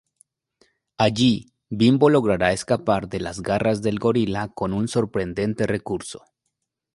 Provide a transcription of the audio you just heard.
Allí, Bimbo logrará escapar de las garras del gorila con un sorprendente recurso.